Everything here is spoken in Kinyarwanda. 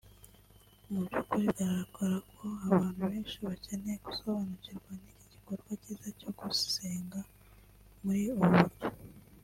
Mu byukuri bigaragara ko abantu benshi bakeneye gusobanukirwa n’iki gikorwa cyiza cyo gusenga muri ubu buryo